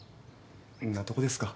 んなとこですか。